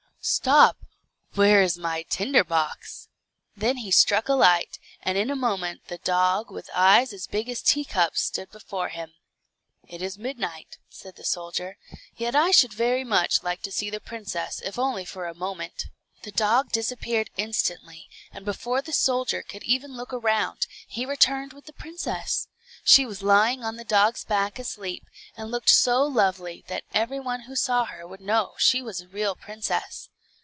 Stop! where is my tinder box?" Then he struck a light, and in a moment the dog, with eyes as big as teacups, stood before him. "It is midnight," said the soldier, "yet I should very much like to see the princess, if only for a moment." The dog disappeared instantly, and before the soldier could even look round, he returned with the princess. She was lying on the dog's back asleep, and looked so lovely, that every one who saw her would know she was a real princess.